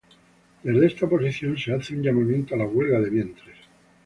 Desde esa posición se hace un llamamiento a la huelga de vientres.